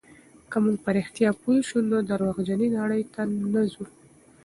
که موږ په رښتیا پوه شو، نو درواغجنې نړۍ ته نه ځو.